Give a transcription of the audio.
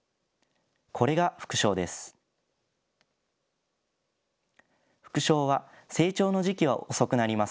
これが副梢です。